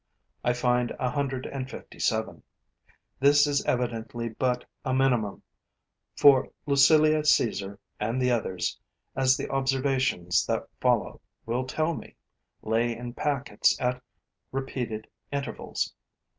I find a hundred and fifty seven. This is evidently but a minimum; for Lucilia Caesar and the others, as the observations that follow will tell me, lay in packets at repeated intervals.